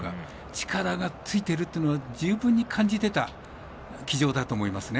力がついてるというのは十分に感じてた騎乗だと思いますね。